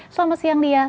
selamat siang lianita